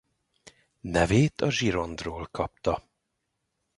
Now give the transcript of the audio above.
Nevét a Gironde-ról kapta.